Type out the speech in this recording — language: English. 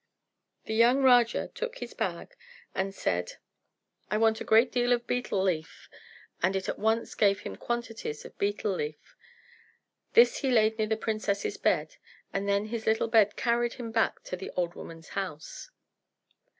The young Raja took his bag and said, "I want a great deal of betel leaf," and it at once gave him quantities of betel leaf. This he laid near the princess's bed, and then his little bed carried him back to the old woman's house.